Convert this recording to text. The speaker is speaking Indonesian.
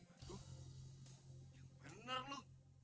aduh ya bener lu